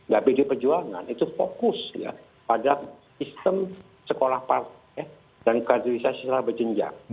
babd perjuangan itu fokus ya pada sistem sekolah partai dan karakterisasi secara berjenjang